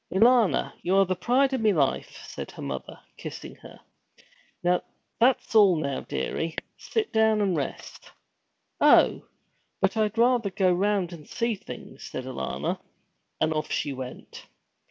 'Alanna, you're the pride of me life,' said her mother, kissing her. 'That's all now, dearie. Sit down and rest.' 'Oh, but I 'd rather go round and see things,' said Alanna, and off she went.